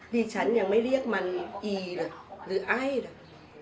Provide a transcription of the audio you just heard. ดิฉันยังไม่เรียกมันอีเลยหรือไอ้เลย